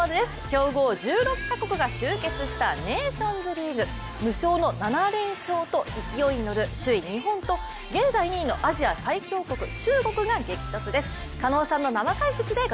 強豪１６カ国が集結したネーションズリーグ、無傷の７連勝と勢いに乗る首位・日本とアジア最強国・中国との対決です。